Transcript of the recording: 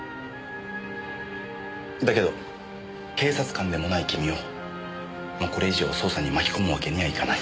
だけど警察官でもない君をもうこれ以上捜査に巻き込むわけにはいかない。